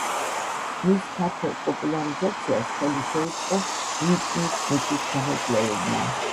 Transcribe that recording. მის ფართო პოპულარიზაციას ხელი შეუწყო უიტნი სმითის გამოკვლევებმა.